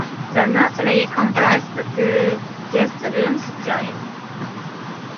The nursery comprised two guest rooms joined.